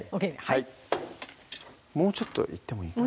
はいもうちょっといってもいいかな？